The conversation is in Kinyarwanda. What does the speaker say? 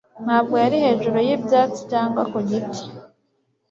Ntabwo yari hejuru y'ibyatsi, cyangwa ku giti;